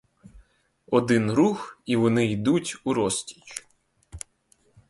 Один рух — і вони йдуть урозтіч.